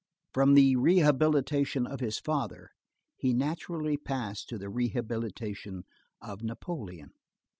From the rehabilitation of his father, he naturally passed to the rehabilitation of Napoleon.